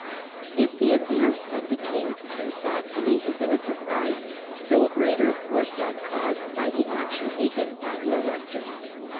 If the advance of the king through Saxony had been a surprise, still greater was that caused by the action taken by the Elector.